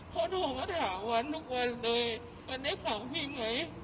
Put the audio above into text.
เขาโทรมาถามวันทุกวันเลยวันนี้สาวพี่ไหม